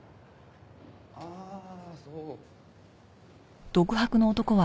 ああそう。